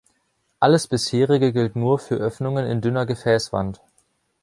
Alles Bisherige gilt nur für Öffnungen in dünner Gefäßwand.